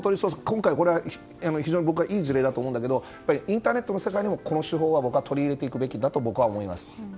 今回非常にいい事例だと思うんだけどインターネットの世界にもこの手法を取り入れていくべきだと僕は思います。